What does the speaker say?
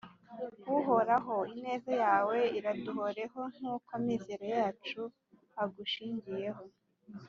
Uhoraho ineza yawe iraduhoreho nkuko amizero yacu agushingiyeho